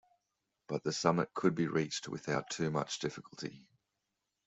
But the summit could be reached without too much difficulty.